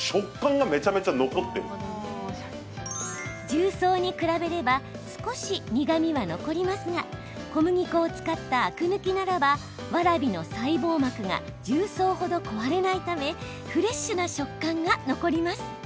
重曹に比べれば少し苦みは残りますが小麦粉を使ったアク抜きならばわらびの細胞膜が重曹ほど壊れないためフレッシュな食感が残ります。